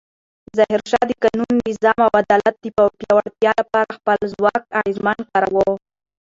ظاهرشاه د قانون، نظم او عدالت د پیاوړتیا لپاره خپل ځواک اغېزمن کاراوه.